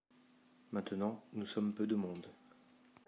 Maintenant nous somme peu de monde.